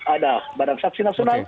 ada badan saksi nasional